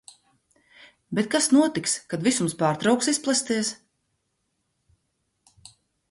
Bet kas notiks, kad visums pārtrauks izplesties?